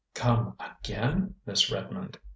"Come again, Miss Redmond!"